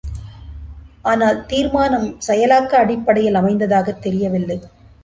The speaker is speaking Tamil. ஆனால், தீர்மானம் செயலாக்க அடிப்படையில் அமைந்ததாகத் தெரியவில்லை.